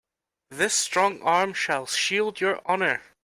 This strong arm shall shield your honor.